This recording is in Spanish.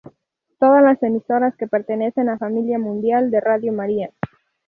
Todas las emisoras que pertenecen a Familia Mundial de Radio María.